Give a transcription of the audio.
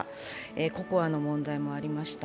ＣＯＣＯＡの問題もありました。